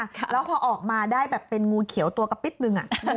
แล้วพอออกมาได้แบบเป็นงูเขียวตัวกระติ๊บนึง